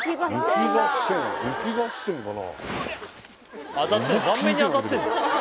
雪合戦かな？